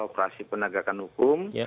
operasi penegakan hukum